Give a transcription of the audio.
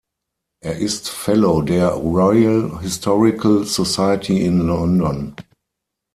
Er ist Fellow der Royal Historical Society in London.